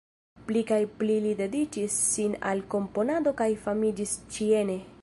Pli kaj pli li dediĉis sin al komponado kaj famiĝis ĉi-ene.